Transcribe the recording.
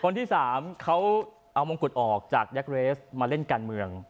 คนที่๓เขาเอามงกุฎออกจากแยคเรสมาเล่นการเมือง